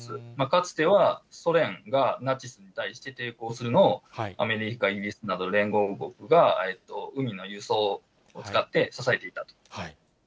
かつては、ソ連がナチスに対して抵抗するのを、アメリカ、イギリスなど連合国が、海の輸送を使って支えていたと。